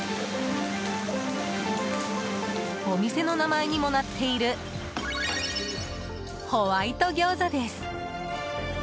お店の名前にもなっているホワイト餃子です。